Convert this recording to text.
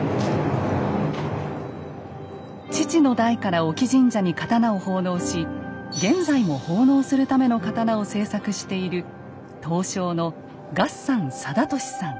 父の代から隠岐神社に刀を奉納し現在も奉納するための刀を制作しているやあ！